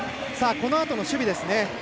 このあとの守備ですね。